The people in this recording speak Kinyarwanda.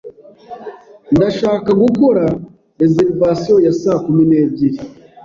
Ndashaka gukora reservation ya saa kumi n'ebyiri.